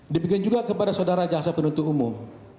dibikin juga kepada saudara jaksa penentu umum